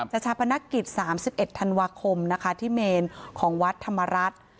ชาปนกิจ๓๑ธันวาคมนะคะที่เมนของวัดธรรมรัฐ